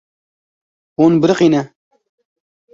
Hûn biriqîne.